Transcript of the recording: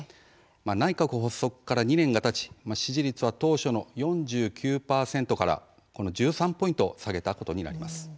内閣発足から２年がたち支持率は当初の４９％から１３ポイント下げたことになります。